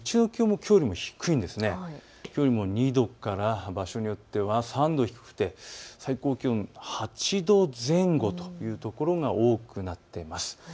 きょうよりも２度から場所によっては３度低くて最高気温８度前後というところが多くなっています。